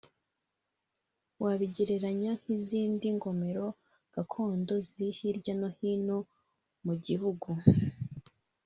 wabigereranya nk’izindi ngomero gakondo ziri hirya no hino mu gihugu